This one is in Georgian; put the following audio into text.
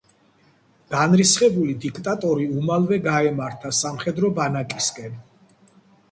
განრისხებული დიქტატორი უმალვე გაემართა სამხედრო ბანაკისკენ.